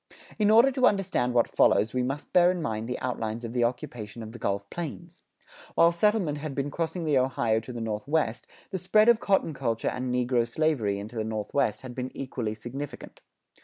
In order to understand what follows, we must bear in mind the outlines of the occupation of the Gulf Plains. While settlement had been crossing the Ohio to the Northwest, the spread of cotton culture and negro slavery into the Southwest had been equally significant.